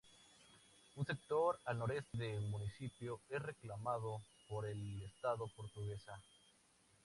Un sector al noroeste del municipio es reclamado por el estado Portuguesa.